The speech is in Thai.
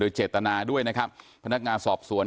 เจตนาด้วยนะครับพนักงานสอบสวน